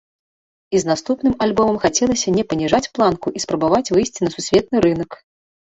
І з наступным альбомам хацелася не паніжаць планку і спрабаваць выйсці на сусветны рынак.